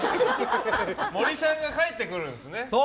森さんが帰ってくるんですね。